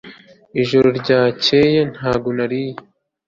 ijoro ryakeye ntabwo nariye